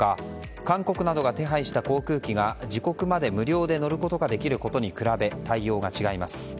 韓国などが手配した航空機が自国まで無料で乗ることができることに比べ対応が違います。